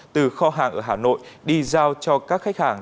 từ kho hàng ở hà nội đi giao cho các khách hàng